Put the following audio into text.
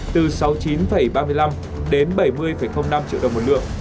từ sáu mươi chín ba mươi năm đến bảy mươi năm triệu đồng một lượng